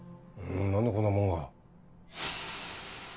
何でこんなもんが？